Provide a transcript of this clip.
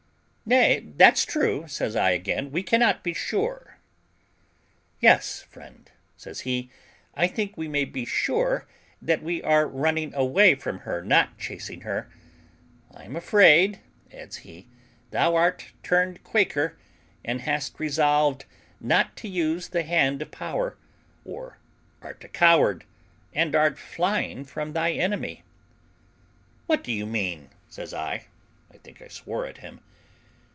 "Nay, that's true," says I again; "we cannot be sure." "Yes, friend," says he, "I think we may be sure that we are running away from her, not chasing her. I am afraid," adds he, "thou art turned Quaker, and hast resolved not to use the hand of power, or art a coward, and art flying from thy enemy." "What do you mean?" says I (I think I swore at him).